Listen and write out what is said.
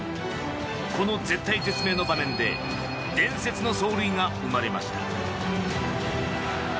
この絶体絶命の場面で伝説の走塁が生まれました。